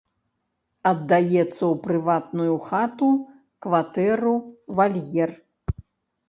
Аддаецца ў прыватную хату, кватэру, вальер.